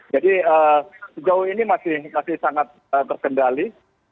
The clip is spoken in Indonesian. jadi sejauh ini masih sangat berkendali